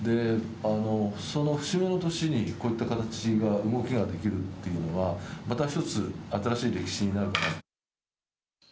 その節目の年にこういった動きができるというのはまた一つ新しい歴史になるかなと。